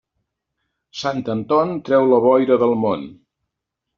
Sant Anton treu la boira del món.